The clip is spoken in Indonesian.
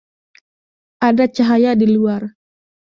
Ada cahaya di luar.